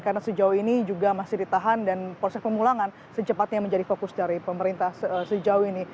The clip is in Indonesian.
karena sejauh ini juga masih ditahan dan proses pemulangan secepatnya menjadi fokus dari pemerintah sejauh ini